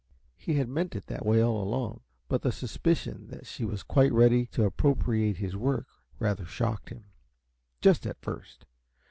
He had meant it that way all along, but the suspicion that she was quite ready to appropriate his work rather shocked him, just at first.